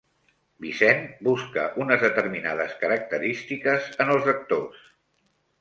Vicent busca unes determinades característiques en els actors.